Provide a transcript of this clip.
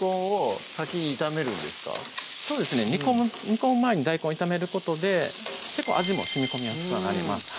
煮込む前に大根を炒めることで結構味も染み込みやすくはなります